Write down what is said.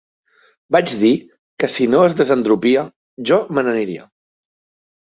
Vaig dir que si no es desendropia, jo me n'aniria.